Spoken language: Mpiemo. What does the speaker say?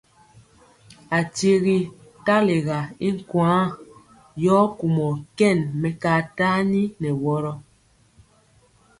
Akyegi talega i nkwaaŋ, yɔ kumɔ kɛn mɛkaa tani nɛ wɔrɔ.